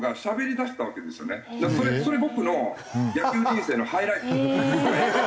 それ僕の野球人生のハイライトなんですよ。